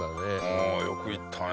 ああよくいったね。